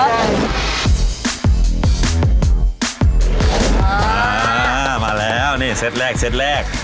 อ่ามาแล้วนี่เซตแรกเซตแรก